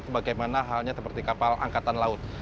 sebagaimana halnya seperti kapal angkatan laut